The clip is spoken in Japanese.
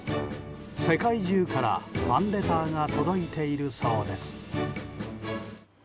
世界中から、ファンレターが届いているそうです。